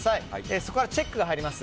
そこからチェックが入ります。